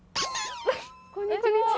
こんにちは。